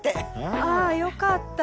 あぁよかった。